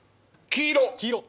黄色。